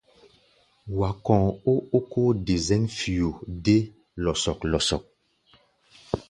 Wá̧á̧ kó ó ókó-de-zɛ̌ŋ-fio dé lɔsɔk-lɔsɔk.